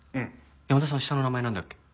山田さん下の名前なんだっけ？